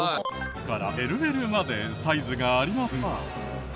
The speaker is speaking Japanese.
ＳからＬＬまでサイズがありますが。